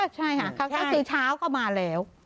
ใช่ค่ะก็คือเช้าก็มาแล้ว